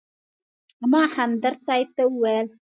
ما همدرد صاحب ته وویل.